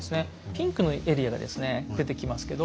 ピンクのエリアがですね出てきますけど。